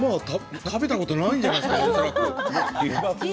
食べたことがないんじゃないですか。